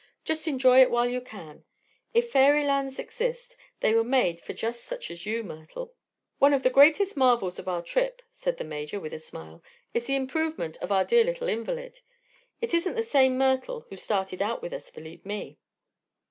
"Just enjoy it while you can. If fairylands exist, they were made for just such as you, Myrtle." "One of the greatest marvels of our trip," said the Major, with a smile, "is the improvement in our dear little invalid. It isn't the same Myrtle who started out with us, believe me.